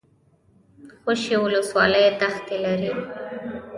خوشي ولسوالۍ دښتې لري؟